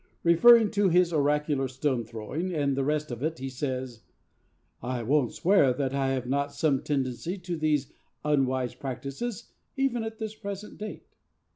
Referring to his oracular stone throwing and the rest of it, he says, 'I won't swear that I have not some tendency to these unwise practices even at this present date.